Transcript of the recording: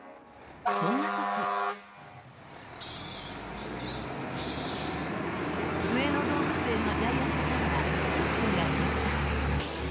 そんなとき上野動物園のジャイアントパンダ、シンシンが出産。